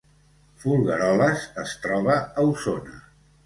Folgueroles es troba a Osona